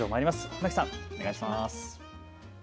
船木さん、お願いします。